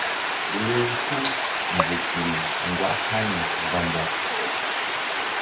Lew sa̧nzukri mgba hani mba-mba.